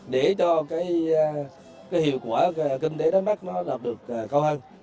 để cho hiệu quả kinh tế đánh bắt được cao hơn